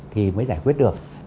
thì mới giải quyết được